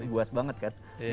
guas banget kan